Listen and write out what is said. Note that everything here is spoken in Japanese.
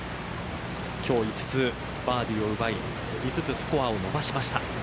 今日５つ、バーディーを奪い５つスコアを伸ばしました。